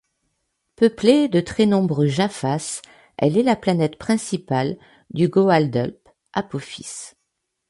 Peuplée de très nombreux Jaffas, elle est la planète principale du Goa'uld Apophis.